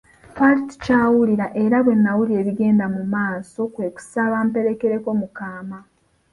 Twali tukyawulira era Ken yawulira ebigenda mu maaso kwe kusaba amperekereko mu kaama.